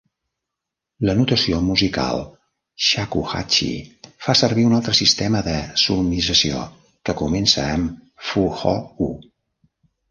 La notació musical Shakuhachi fa servir un altre sistema de solmizació que comença amb "Fu Ho U".